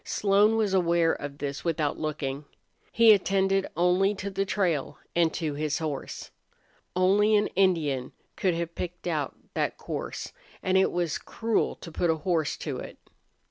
Slone was aware of this without looking. He attended only to the trail and to his horse. Only an Indian could have picked out that course, and it was cruel to put a horse to it.